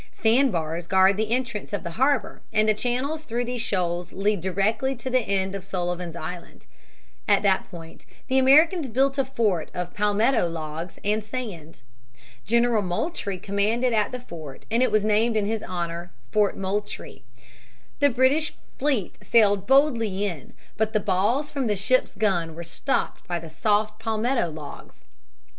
Sand bars guard the entrance of the harbor and the channels through these shoals lead directly to the end of Sullivan's Island. At that point the Americans built a fort of palmetto logs and sand. General Moultrie commanded at the fort and it was named in his honor, Fort Moultrie. The British fleet sailed boldly in, but the balls from the ships' guns were stopped by the soft palmetto logs.